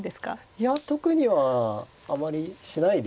いや特にはあまりしないですね。